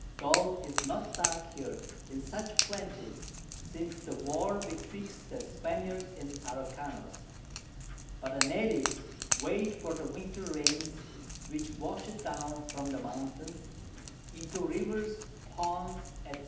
Gold is not dug here in such Plenty, since the War betwixt the Spaniards and Araucanos; but the Natives wait for the Winter Rains, which wash it down from the Mountains, into Rivers, Ponds, _&c.